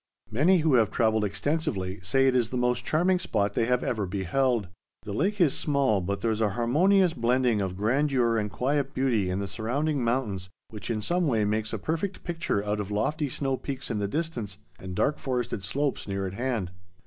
Many who have travelled extensively say it is the most charming spot they have ever beheld. The lake is small, but there is a harmonious blending of grandeur and quiet beauty in the surrounding mountains which in some way makes a perfect picture out of lofty snow peaks in the distance and dark forested slopes near at hand.